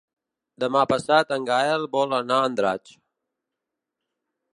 Demà passat en Gaël vol anar a Andratx.